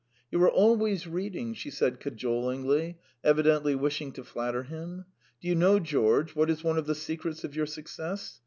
"You are always reading ..." she said cajolingly, evidently wishing to flatter him. "Do you know, George, what is one of the secrets of your success?